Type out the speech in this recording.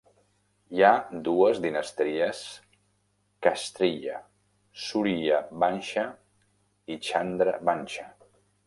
Hi ha dues dinasties kshatriya: "Surya Vansha" i "Chandra Vansha".